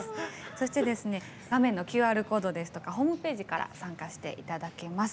そして画面のＱＲコードですとかホームページから参加していただけます。